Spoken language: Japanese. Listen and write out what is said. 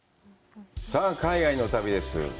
さあ海外の旅です。